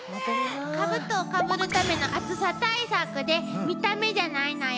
兜をかぶるための暑さ対策で見た目じゃないのよ。